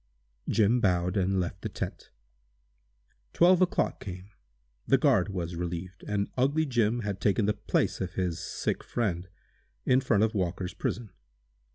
Jim bowed, and left the tent. Twelve o'clock came; the guard was relieved, and "ugly Jim" had taken the place of his sick friend, in front of Walker's prison.